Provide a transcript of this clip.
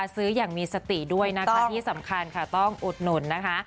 ซื้ออย่างมีสติด้วยนะคะที่สำคัญค่ะต้องอุดหนุนนะคะ